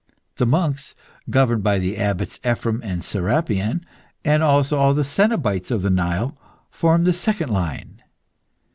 The monks, governed by the abbots Ephrem and Serapion, and also all the cenobites of the Nile, formed the second line.